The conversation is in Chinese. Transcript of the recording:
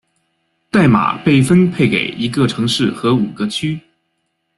代码被分配给一个城市和五个区。